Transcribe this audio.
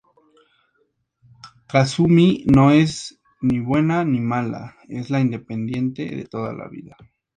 Kasumi no es ni buena ni mala, es la independiente de toda la vida.